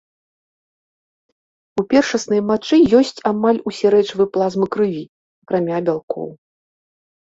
У першаснай мачы ёсць амаль усе рэчывы плазмы крыві, акрамя бялкоў.